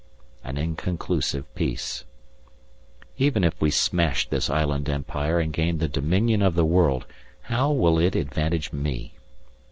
An inconclusive peace. Even if we smash this island Empire and gain the dominion of the world, how will it advantage me?